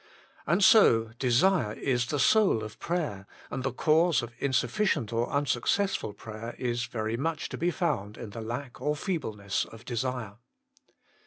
And so desire is the soul of prayer, and the cause of insufficient or unsuccessful prayer is very much to be found in the lack or feebleness of desire.